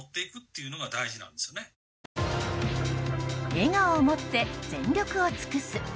笑顔をもって全力を尽くす。